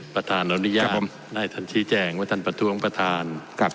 ประธานอนุญาตได้ท่านชี้แจงว่าท่านประท้วงประธานครับ